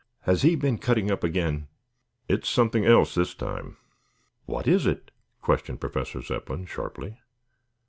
"Has he been cutting up again?" "It's something else this time." "What is it?" questioned Professor Zepplin sharply.